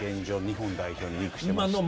日本代表にリンクしてまして。